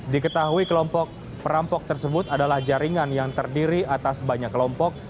diketahui kelompok perampok tersebut adalah jaringan yang terdiri atas banyak kelompok